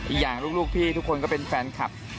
อีกอย่างลูกพี่ทุกคนก็เป็นแฟนคลับ